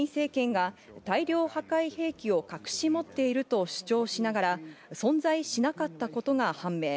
イラクのフセイン政権が大量破壊兵器を隠し持っていると主張しながら存在しなかったことが判明。